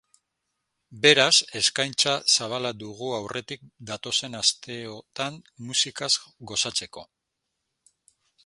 Beraz, eskaintza zabala dugu aurretik datozen asteotan musikaz gozatzeko.